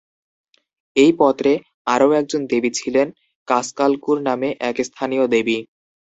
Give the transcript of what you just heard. এই পত্রে আরও একজন দেবী ছিলেন কাসকালকুর নামে এক স্থানীয় দেবী।